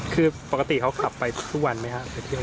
คือปกติเขาขับไปทุกวันไหมครับ